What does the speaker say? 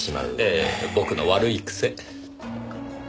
ええ僕の悪い癖。